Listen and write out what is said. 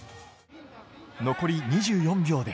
残り２４秒で。